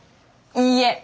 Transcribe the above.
いいえ！